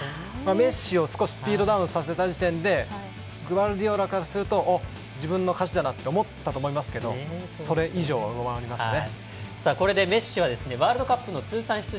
メッシを少しスピードダウンさせた時点でグバルディオルからすると自分の勝ちだなと思ったと思いますけどそれ以上、上回りましたね。